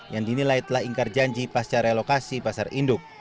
yang dinilai telah ingkar janji pasca relokasi pasar induk